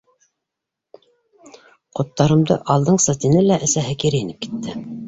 - Ҡоттарымды алдыңсы, - тине лә әсәһе кире инеп китте.